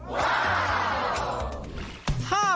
ว้าว